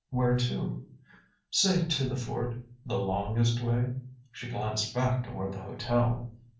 "Where to?" "Say to the fort the longest way." She glanced back toward the hotel.